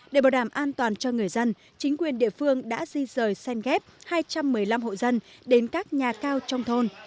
để bảo đảm an toàn cho người dân chính quyền địa phương đã di rời sen ghép hai trăm một mươi năm hộ dân đến các nhà cao trong thôn